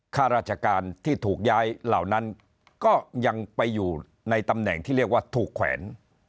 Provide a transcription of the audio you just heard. ข้าราชการที่ถูกย้ายเหล่านั้นก็ยังไปอยู่ในตำแหน่งที่เรียกว่าถูกแขวน